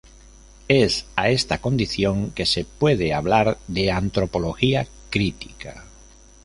Es a esta condición que se puede hablar de antropología crítica.